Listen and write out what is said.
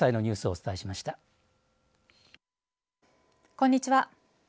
こんにちは。